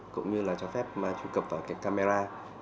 cũng như là cho phép truy cập vào cái camera